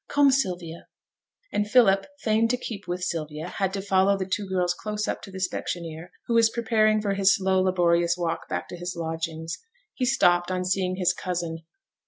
Come, Sylvia.' And Philip, fain to keep with Sylvia, had to follow the two girls close up to the specksioneer, who was preparing for his slow laborious walk back to his lodgings. He stopped on seeing his cousin.